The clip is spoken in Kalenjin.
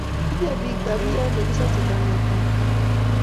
tinyei pik tapiet nekisasei maket ap tai